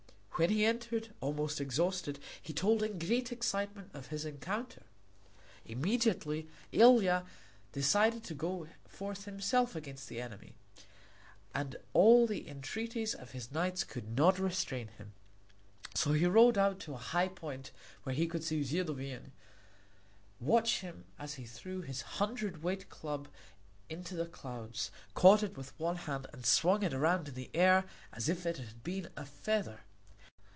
When he entered, almost exhausted, he told in great excitement of his encounter. Immediately Ilia decided to go forth himself against the enemy, and all the entreaties of his knights could not restrain him. So he rode out to a high point where he could see Zidovin, watch him as he threw his hundred weight club up into the clouds, caught it with one hand, and swung it around in the air as if it had been a feather.